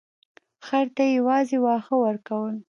خر ته یې یوازې واښه ورکول.